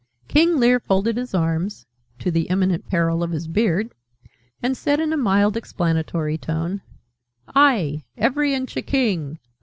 King Lear folded his arms (to the imminent peril of his beard) and said, in a mild explanatory tone, "Ay, every inch a king!"